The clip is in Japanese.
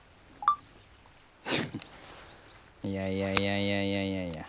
いやいやいやいやいやいや。